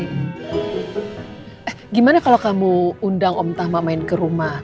eh gimana kalau kamu undang om tama main ke rumah